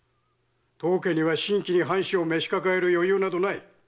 当家には新規に藩士を召し抱える余裕などない。